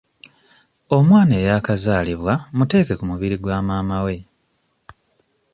Omwana eyakazaalibwa muteeke ku mubiri gwa maama we.